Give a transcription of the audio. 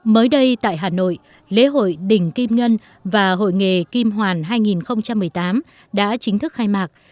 mới đây tại hà nội lễ hội đình kim ngân và hội nghề kim hoàn hai nghìn một mươi tám đã chính thức khai mạc